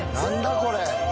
これ。